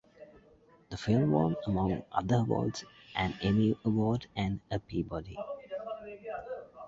The film won, among other awards, an Emmy Award and a Peabody.